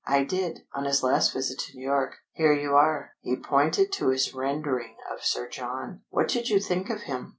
"I did, on his last visit to New York. Here you are!" He pointed to his rendering of Sir John. "What did you think of him?"